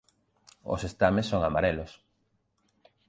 Os estames son amarelos.